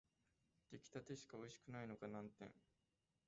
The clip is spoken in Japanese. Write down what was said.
出来立てしかおいしくないのが難点